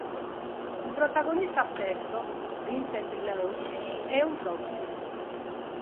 Il protagonista stesso, Vincent Law, è un proxy.